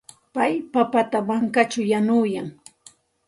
Pay papata mankaćhaw yanuyan.